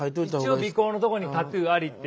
一応備考のとこに「タトゥーあり」って。